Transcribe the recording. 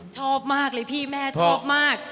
ชอบมากเลยพี่แม่ชอบมาก